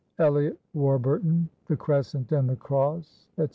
Eliot Warburton, "The Crescent and the Cross," etc.